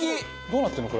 どうなってるの？